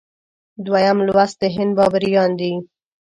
دویم لوست د هند بابریان دي.